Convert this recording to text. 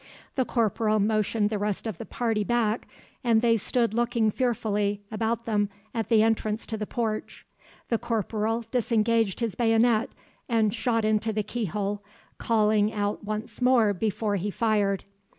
The corporal motioned the rest of the party back, and they stood looking fearfully about them at the entrance to the porch. The corporal disengaged his bayonet and shot into the keyhole, calling out once more before he fired.